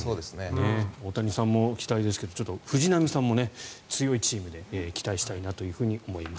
大谷さんも期待ですが藤浪さんも強いチームで期待したいなと思います。